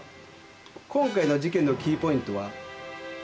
今回の事件のキーポイントは「音」です。